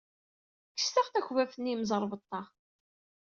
Kkset-aɣ takbabt n yimẓerbeḍḍa.